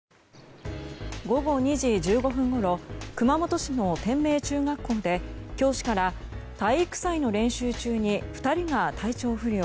午後２時１５分ごろ熊本市の天明中学校で教師から体育祭の練習中に２人が体調不良。